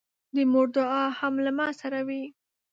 د مور دعا هم له ما سره وي.